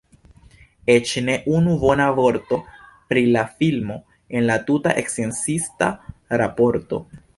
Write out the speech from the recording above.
Eĉ ne unu bona vorto pri la filmo en la tuta sciencista raporto.